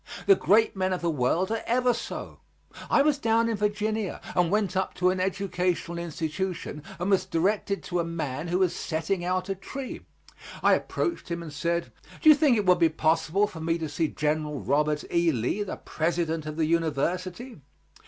The great men of the world are ever so. I was down in Virginia and went up to an educational institution and was directed to a man who was setting out a tree. I approached him and said, "Do you think it would be possible for me to see General Robert E. Lee, the President of the University?"